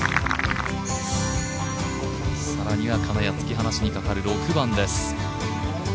更には金谷、突き放しにかかる６番です。